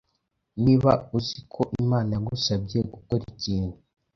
Niba uzi ko Imana yagusabye gukora ikintu,